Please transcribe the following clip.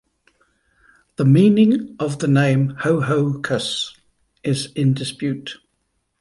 The meaning of the name Ho-Ho-Kus is in dispute.